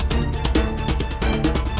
kuni yang tetetet jembala